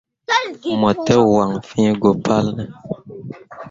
Mo te waŋ fĩĩ go palne ?